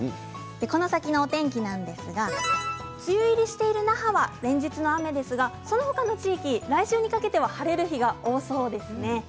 この先のお天気なんですが梅雨入りしている那覇は連日の雨ですが、そのほかの地域来週にかけては晴れる日が多そうですね。